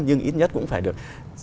nhưng ít nhất cũng phải được tám chín